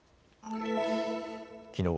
きのう